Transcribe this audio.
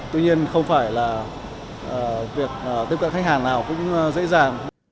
tuy nhiên không phải là việc tiếp cận khách hàng nào cũng dễ dàng